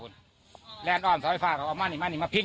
แนดออมสาวไอฟ่ามมามันมาเพิ่ง